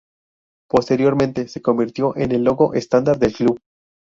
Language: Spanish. Posteriormente se convirtió en el logo estándar del club.